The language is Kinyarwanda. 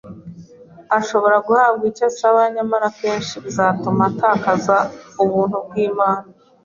ashobora guhabwa ibyo asaba nyamara akenshi bizatuma atakaza ubuntu bw’Imana